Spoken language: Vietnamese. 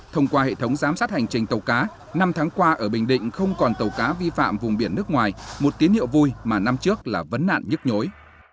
thông qua hệ thống giám sát hành trình tàu cá năm tháng qua ở bình định không còn tàu cá vi phạm vùng biển nước ngoài một tín hiệu vui mà năm trước là vấn nạn nhức nhối